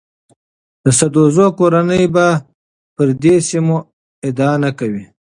د سدوزو کورنۍ به پر دې سیمو ادعا نه کوي.